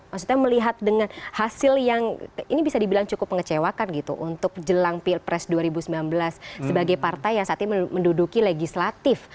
maksudnya melihat dengan hasil yang ini bisa dibilang cukup mengecewakan gitu untuk jelang pilpres dua ribu sembilan belas sebagai partai yang saat ini menduduki legislatif